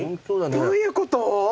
どういうこと？